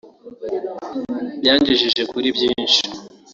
Byangejeje kuri byinshi